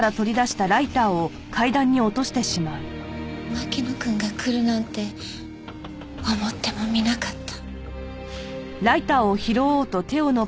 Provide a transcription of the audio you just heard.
牧野くんが来るなんて思ってもみなかった。